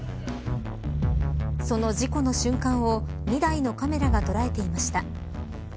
その事故の瞬間を２台のカメラが捉えていました。